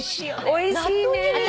おいしいね。